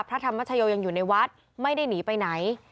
พระธรรมชโยยังอยู่ในวัดไม่ได้หนีไปไหน